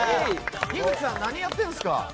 樋口さん、何やってるんですか。